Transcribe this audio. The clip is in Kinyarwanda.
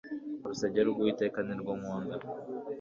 urusengero rw uwiteka nirwo nkunda